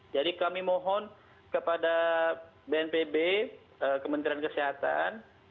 jadi kami mohon kepada bnpb kementerian kesehatan